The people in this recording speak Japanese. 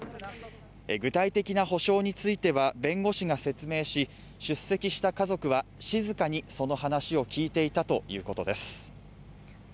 具体的な補償については弁護士が説明し出席した家族は静かにその話を聞いていたということです。